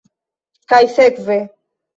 Kaj sekve.